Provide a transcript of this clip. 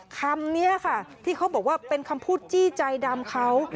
คำนี้ค่ะที่เขาบอกว่าเป็นคำพูดจี้ใจดำเขา